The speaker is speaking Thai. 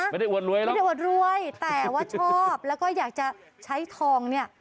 อวดรวยหรอกไม่ได้อวดรวยแต่ว่าชอบแล้วก็อยากจะใช้ทองเนี่ย